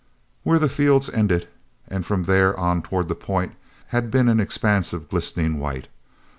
here the fields ended, and from there on toward the point, had been an expanse of glistening white.